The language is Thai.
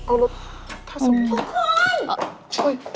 เอาละถ้าสมมุติ